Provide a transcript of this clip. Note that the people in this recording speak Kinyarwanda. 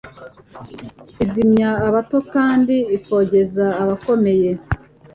izimya abato kandi ikongeza abakomeye